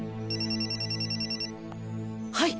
はい。